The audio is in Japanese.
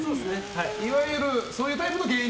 いわゆるそういうタイプの芸人。